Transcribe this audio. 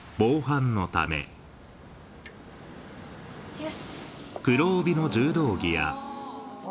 よし。